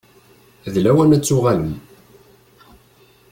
D lawan ad tuɣalem.